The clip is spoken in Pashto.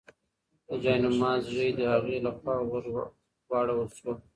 د جاینماز ژۍ د هغې لخوا ورواړول شوه.